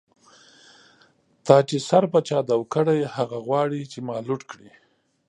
تا چی سر په چا دو کړۍ، هغه غواړی چی ما لوټ کړی